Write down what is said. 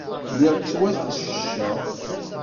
Lliɣ ttwafecceceɣ.